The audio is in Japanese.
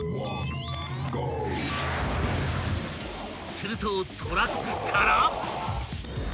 ［するとトラックから］